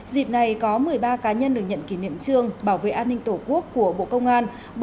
dịp này có một mươi ba cá nhân được nhận kỷ niệm trương bảo vệ an ninh tổ quốc của bộ công an